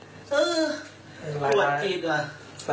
เป็นไรครับตามร้อยอย่างนี้ครับพี่